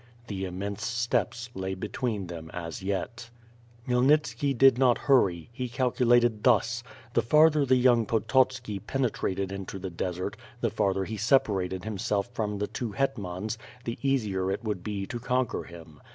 The imemnse steppes lay between them as yet. Khymelhitski did not hurry; he calculated thus: The far ther the young Pototski penetrated into the desert, the farther he separated himself from the two hetmans, the easier it would be to conquer him.